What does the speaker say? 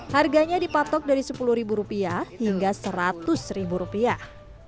harganya dipatok dari sepuluh rupiah hingga seratus rupiah